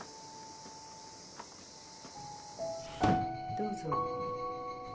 どうぞ。